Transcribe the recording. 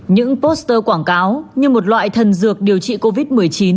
những poster quảng cáo như một loại thần dược điều trị covid một mươi chín